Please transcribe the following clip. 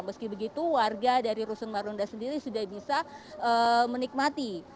meski begitu warga dari rusun marunda sendiri sudah bisa menikmati